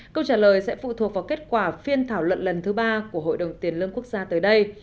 câu trả lời sẽ phụ thuộc vào kết quả phiên thảo luận lần thứ ba của hội đồng tiền lương quốc gia tới đây